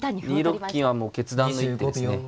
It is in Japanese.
２六金はもう決断の一手ですね。